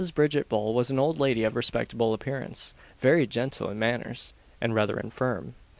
Bridget Bull was an old lady of respectable appearance, very gentle in manners, and rather infirm.